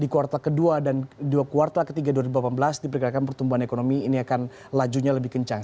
di kuartal kedua dan kuartal ketiga dua ribu delapan belas diperkirakan pertumbuhan ekonomi ini akan lajunya lebih kencang